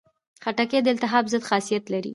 خټکی د التهاب ضد خاصیت لري.